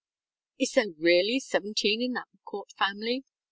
_] ŌĆ£Is there really seventeen in that McCourt family?